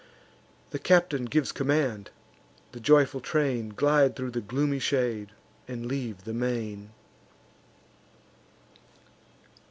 The captain gives command; the joyful train Glide thro' the gloomy shade, and leave the main.